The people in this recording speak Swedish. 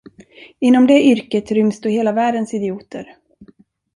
Inom det yrket ryms då hela världens idioter.